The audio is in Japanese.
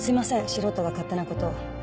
素人が勝手な事を。